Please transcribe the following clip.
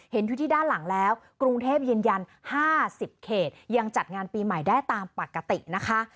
อยู่ที่ด้านหลังแล้วกรุงเทพยืนยัน๕๐เขตยังจัดงานปีใหม่ได้ตามปกตินะคะ